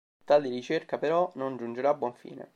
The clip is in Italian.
Tale ricerca, però, non giungerà a buon fine.